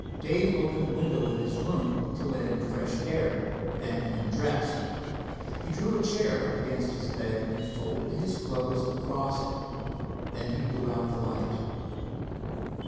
Dave opened the window of the room to let in fresh air, then he undressed. He drew a chair up against his bed and folded his clothes across it. Then he blew out the light.